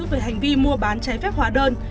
về hành vi mua bán trái phép hòa đơn